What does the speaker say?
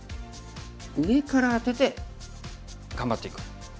上からアテて頑張っていく。